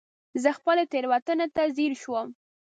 زه خپلې تېروتنې ته ځير شوم.